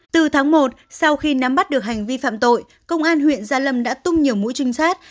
từ tháng một sau khi nắm bắt được hành vi phạm tội công an huyện gia lâm đã tung nhiều mũi trinh sát